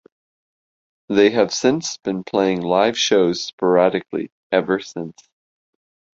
They have since been playing live shows sporadically ever since.